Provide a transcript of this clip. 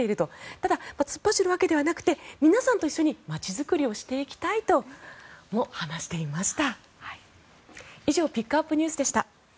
ただ、突っ走るわけではなくて皆さんと一緒に街作りをしていきたいとも話していました。